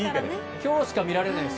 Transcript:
今日しか見られないです。